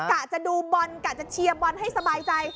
กะจะดูบอลกะจะเชียร์บอลให้สบายใจ